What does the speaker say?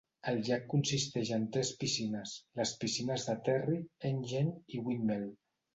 El llac consisteix en tres piscines; les piscines de Terry, Engine i Windmill.